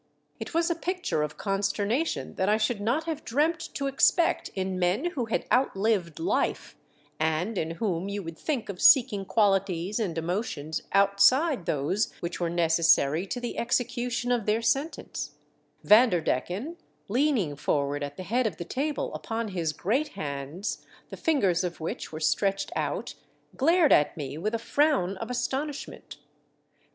It was a picture of consternation that I MY SWEETHEARTS JOY. 325 should not have dreamt to expect in men who had outUved Hfe and in whom you would think of seeking qualities and emotions outside those which v/ere necessary to the execution of their sentence, Vanderdecken, leaning forward at the head of the table upon his great hands, the fingers of which were stretched out, glared at me with a frown of astonishment.